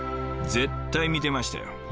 絶対見てましたよ。